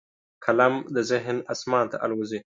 قلم د ذهن اسمان ته الوزي